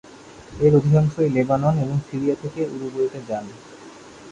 এর অধিকাংশই লেবানন এবং সিরিয়া থেকে উরুগুয়েতে যান।